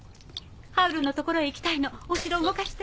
ハウルの所へ行きたいのお城動かして。